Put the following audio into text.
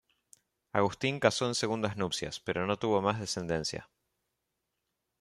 Agustín casó en segundas nupcias, pero no tuvo más descendencia.